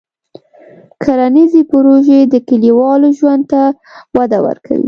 کرنيزې پروژې د کلیوالو ژوند ته وده ورکوي.